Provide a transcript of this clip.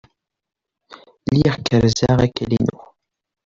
Lliɣ kerrzeɣ akal-inu.